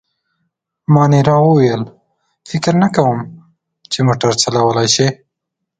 مانیرا وویل: فکر نه کوم، چي موټر چلولای شي.